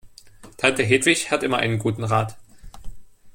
Tante Hedwig hat immer einen guten Rat.